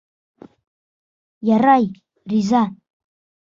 Ярай, риза.